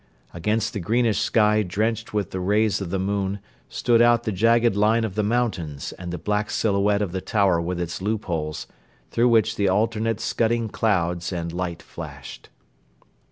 Against the greenish sky drenched with the rays of the moon stood out the jagged line of the mountains and the black silhouette of the tower with its loopholes, through which the alternate scudding clouds and light flashed.